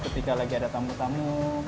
ketika lagi ada tamu tamu